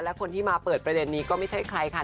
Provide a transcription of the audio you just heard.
และคนที่มาเปิดประเด็นนี้ก็ไม่ใช่ใครค่ะ